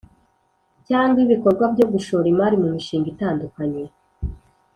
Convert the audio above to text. cyangwa ibikorwa byo gushora imari mu mishinga itandukanye